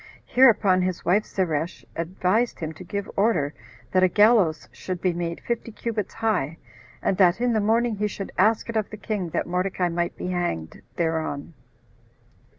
Hereupon his wife Zeresh advised him to give order that a gallows should be made fifty cubits high, and that in the morning he should ask it of the king that Mordecai might be hanged thereon.